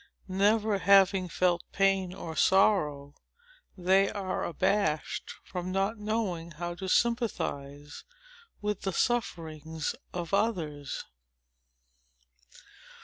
Never having felt pain or sorrow, they are abashed, from not knowing how to sympathize with the sufferings of others.